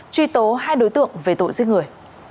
truy tố hai đối tượng về tội giết người